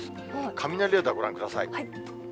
雷レーダーご覧ください。